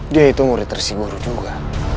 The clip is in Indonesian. dia itu murid tersinggung juga